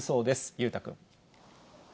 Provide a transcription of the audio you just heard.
裕太君。